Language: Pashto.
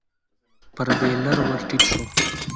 پر بېلر ور ټيټ شو.